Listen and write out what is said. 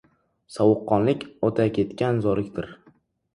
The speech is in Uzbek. Sovuqqonlik o‘taketgan zolikdir.